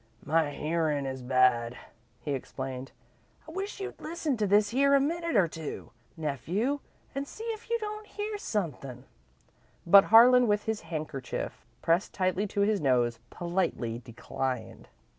"My hearin' is bad," he explained. "I wish you'd listen to this here a minute or two, nephew, an' see if you don't hear sunthin'." But Harlan, with his handkerchief pressed tightly to his nose, politely declined.